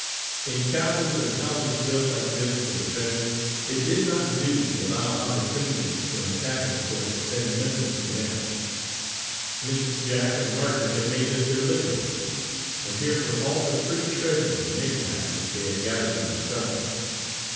In castles and houses built, like this, for defence, it did not do to allow opportunities to an attacking force to send missiles within. Mrs. Jack and Marjory had made this their living room, and here were all the pretty treasures and knick knacks which they had gathered on their travels.